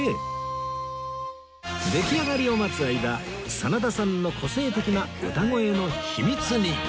出来上がりを待つ間真田さんの個性的な歌声の秘密に